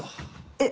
えっ？